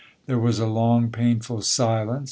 There was a long painful silence.